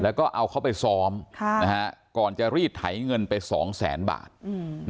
แล้วก็เอาเขาไปซ้อมค่ะนะฮะก่อนจะรีดไถเงินไปสองแสนบาทอืม